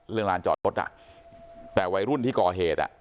เรื่องร้านจอดรถอ่ะแต่วัยรุ่นที่กอเหตุอ่ะ